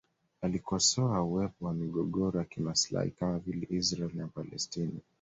Alikosoa uwepo wa migogoro ya kimaslahi kama vile Israel na Palestina